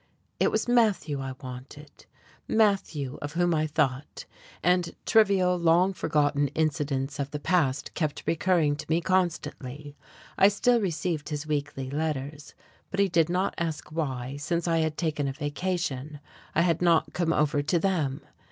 It was Matthew I wanted, Matthew of whom I thought, and trivial, long forgotten incidents of the past kept recurring to me constantly. I still received his weekly letters; but he did not ask why, since I had taken a vacation, I had not come over to them.